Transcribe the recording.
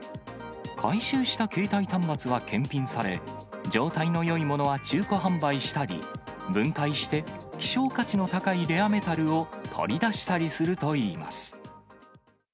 回収した携帯端末は検品され、状態のよいものは中古販売したり、分解して希少価値の高いレアメタルを取り出したりするといいます。